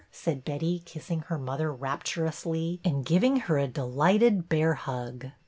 said Betty, kissing her mother rapturously, and giving her a delighted bear hug.